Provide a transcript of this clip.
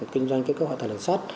kinh doanh kết cố hoạt động đường sát